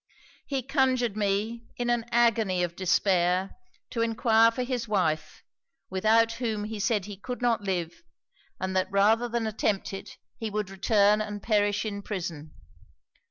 He conjured me, in an agony of despair, to enquire for his wife, without whom he said he could not live, and that rather than attempt it, he would return and perish in prison.